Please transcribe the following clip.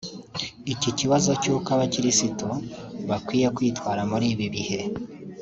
Iki kibazo cy’uko abakristo bakwiye kwitwara muri ibi bihe